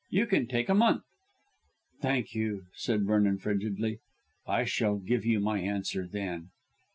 You can take a month." "Thank you," said Vernon frigidly. "I shall give you my answer then."